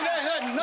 何？